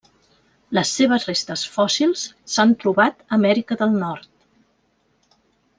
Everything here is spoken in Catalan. Les seves restes fòssils s'han trobat a Amèrica del Nord.